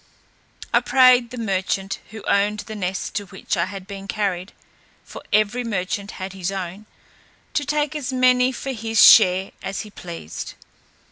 I prayed the merchant, who owned the nest to which I had been carried (for every merchant had his own), to take as many for his share as he pleased.